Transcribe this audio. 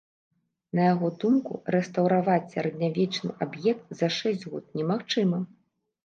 На яго думку рэстаўраваць сярэднявечны аб'ект за шэсць год немагчыма.